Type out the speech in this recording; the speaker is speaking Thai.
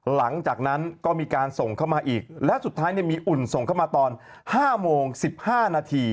หลังจากนั้นก็มีการส่งเข้ามาอีกและสุดท้ายมีอุ่นส่งเข้ามาตอน๕โมง๑๕นาที